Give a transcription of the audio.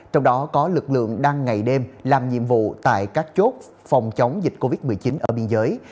trong đó có lực lượng đang ngày đêm làm nhiệm vụ tại các chốt phòng chống dịch covid một mươi chín ở biên giới